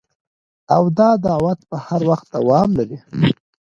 او دا دعوت به هر وخت دوام لري